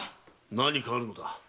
何かあるのだ。